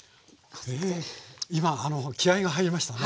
今気合いが入りましたね。